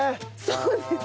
そうですね。